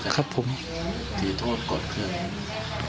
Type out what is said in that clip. ครับผมคือโทษก่อน